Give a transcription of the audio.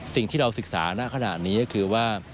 สิ่งที่เราศึกษาณขณะนี้ก็คือว่า